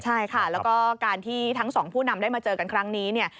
ใช่ค่ะแล้วก็การที่ทั้งสองผู้นำได้มาเจอกันครั้งนี้เนี่ย